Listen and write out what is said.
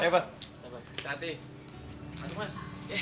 kehati masuk mas